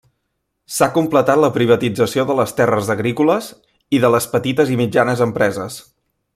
S'ha completat la privatització de les terres agrícoles i de les petites i mitjanes empreses.